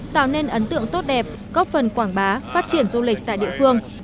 tạo nên ấn tượng tốt đẹp góp phần quảng bá phát triển du lịch tại địa phương